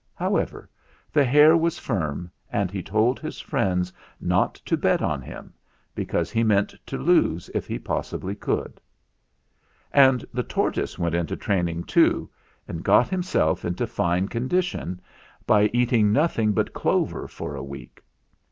However, the hare was firm, and he told his friends not to bet on him, because he meant to lose if he possibly could. "And the tortoise went into training, too, and got himself into fine condition by eating THE ZAGABOG'S STORY 147 nothing but clover for a week.